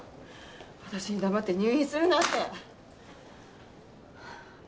私に黙って入院するなんて。